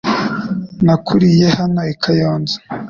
Nakuriye hano i Kayonza .